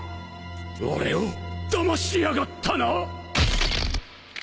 俺をだましやがったな！